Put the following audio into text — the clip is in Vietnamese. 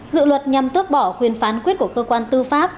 dự luật nhằm tước bỏ quyền phán quyết của cơ quan tư pháp